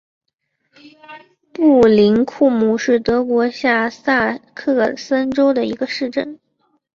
布林库姆是德国下萨克森州的一个市镇。